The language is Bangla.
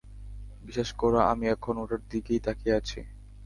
বিশ্বাস করো, আমি এখন ওটার দিকেই তাকিয়ে আছি!